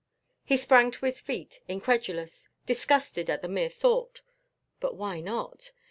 He sprang to his feet, incredulous, disgusted at the mere thought. But why not?